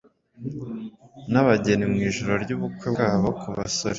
nabageni mwijoro ryubukwe bwabo Ku basore